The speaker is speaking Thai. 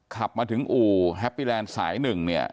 ขับมาถึงอู่แฮปปี้แลนด์สาย๑